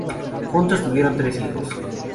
Juntos tuvieron tres hijos.